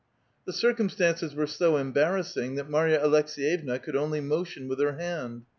" The circumstances were so embarrassing that Marya Aleks6yevna could only motion with her hand.